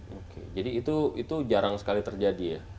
oke jadi itu jarang sekali terjadi ya